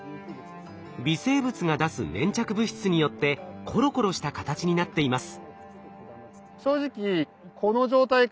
微生物が出す粘着物質によってコロコロした形になっています。